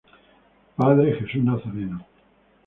Padre Jesús Nazareno".